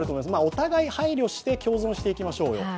お互い配慮して共存していきましょうよと。